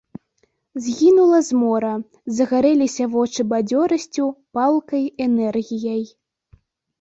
Згінула змора, загарэліся вочы бадзёрасцю, палкай энергіяй.